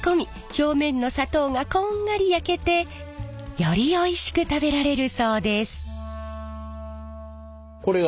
表面の砂糖がこんがり焼けてよりおいしく食べられるそうです。